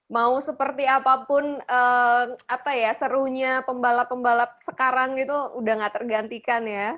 mau seperti apapun apa ya serunya pembalap pembalap sekarang itu udah gak tergantikan ya